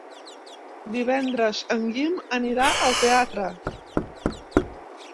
Divendres en Guim anirà al teatre.